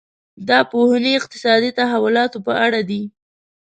دا پوهنې اقتصادي تحولاتو په اړه دي.